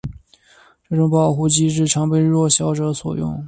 这种保护机制常被弱小者所用。